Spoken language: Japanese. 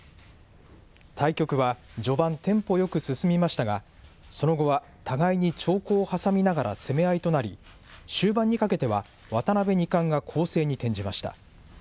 対局は、序盤テンポよく進みましたが、その後は互いに長考を挟みながら攻め合いとなり、終盤にかけては渡辺二冠が攻勢に転じました。